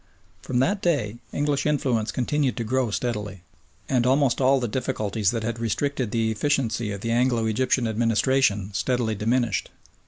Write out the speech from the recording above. From that day English influence continued to grow steadily, and almost all the difficulties that had restricted the efficiency of the Anglo Egyptian administration steadily diminished.